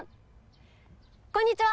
こんにちは。